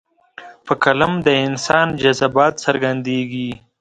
په قلم د انسان جذبات څرګندېږي.